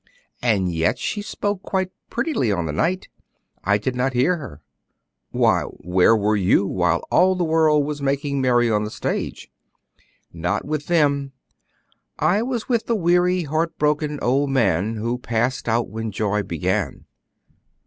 "And yet she spoke quite prettily on the night." "I did not hear her." "Why, where were you while all the world was making merry on the stage?" "Not with them; I was with the weary, heart broken old man who passed out when joy began."